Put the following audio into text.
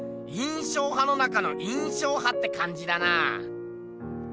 印象派の中の印象派ってかんじだなあ。